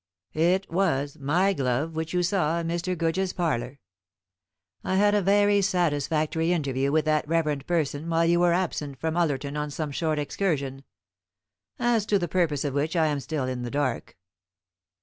It was my glove which you saw in Mr. Goodge's parlour. I had a very satisfactory interview with that reverend person while you were absent from Ullerton on some short excursion, as to the purpose of which I am still in the dark.